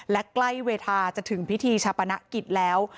และใกล้เวทีจะถึงพิธีชาปนกิจแล้ว